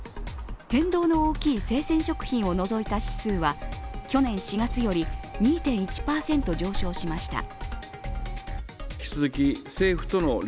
変動の大きい生鮮食品を除いた指数は去年４月より２．１％上昇しました。